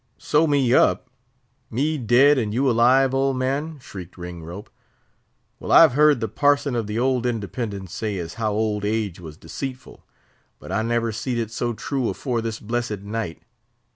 "Sew me up? Me dead and you alive, old man?" shrieked Ringrope. "Well, I've he'rd the parson of the old Independence say as how old age was deceitful; but I never seed it so true afore this blessed night.